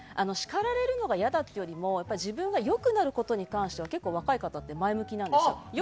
叱られるのが嫌だっていうのも自分が良くなることに関しては若い方は前向きなんですよ。